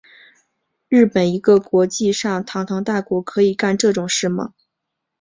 日本一个国际上堂堂大国可以干这种事吗？